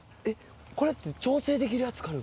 えこれって調整できるやつ。